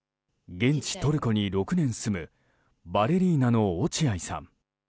現地トルコに６年住むバレリーナの落合さん。